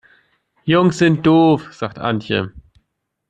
Jungs sind doof, sagt Antje.